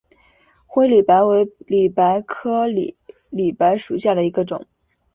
灰里白为里白科里白属下的一个种。